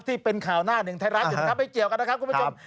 ที่เป็นข่าวหน้าหนึ่งไทยรัฐอยู่นะครับไม่เกี่ยวกันนะครับคุณผู้ชม